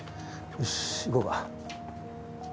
よし行こうか。